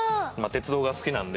鉄道が好きなので。